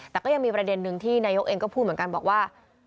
แต่ก็ยังมีประเด็นนึงที่นายกเองก็พูดเหมือนกันบอกว่า